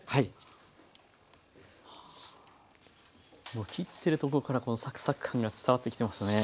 もう切ってるとこからこのサクサク感が伝わってきてましたね。